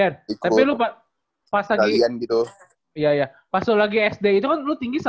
tapi lu pas lagi sd itu kan lu tinggi satu ratus delapan puluh